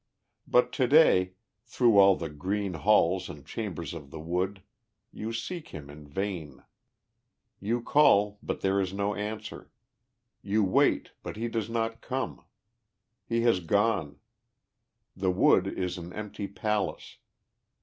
But to day, through all the green halls and chambers of the wood, you seek him in vain. You call, but there is no answer. You wait, but he does not come. He has gone. The wood is an empty palace.